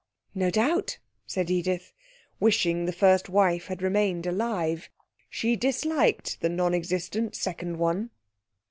'No doubt,' said Edith, wishing the first wife had remained alive. She disliked the non existent second one.